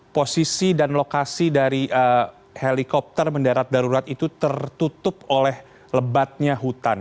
posisi dan lokasi dari helikopter mendarat darurat itu tertutup oleh lebatnya hutan